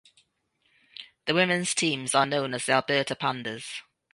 The women's teams are known as the Alberta Pandas.